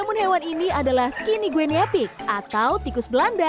namun hewan ini adalah skinny gheniapic atau tikus belanda